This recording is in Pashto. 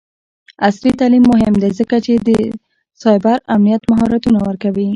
عصري تعلیم مهم دی ځکه چې د سایبر امنیت مهارتونه ورکوي.